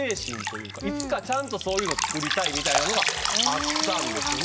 いつかちゃんとそういうの作りたいみたいなのがあったんですよね。